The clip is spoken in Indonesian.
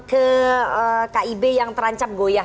ke kib yang terancam goyah